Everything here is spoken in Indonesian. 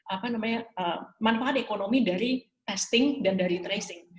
apa namanya manfaat ekonomi dari testing dan dari tracing